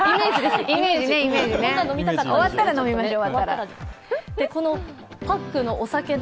終わったら飲みましょう。